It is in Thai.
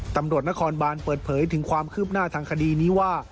ตำรวจนครบานเปิดเผยถึงความคืบหน้าทางคดีนี้ว่า